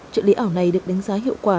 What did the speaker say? trợ lý ảo này được đánh giá hiệu quả